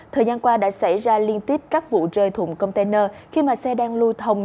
thời gian qua đã xảy ra liên tiếp các vụ rơi thùng container khi mà xe đang lưu thông